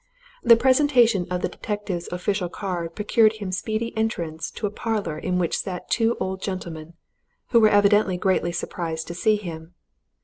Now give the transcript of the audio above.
The presentation of the detective's official card procured him speedy entrance to a parlour in which sat two old gentlemen, who were evidently greatly surprised to see him.